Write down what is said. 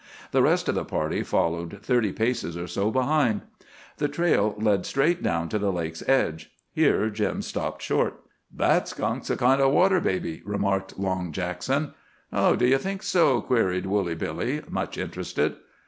The rest of the party followed thirty paces or so behind. The trail led straight down to the lake's edge. Here Jim stopped short. "That skunk's a kind o' water baby," remarked Long Jackson. "Oh, do you think so?" queried Woolly Billy, much interested.